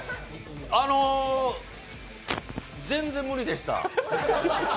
あの全然無理でした。